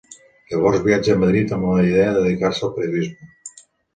Llavors viatja a Madrid amb la idea de dedicar-se al periodisme.